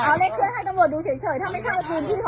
เอาเล็กเครื่องให้กำบวนดูเฉย